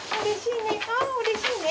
うれしいね。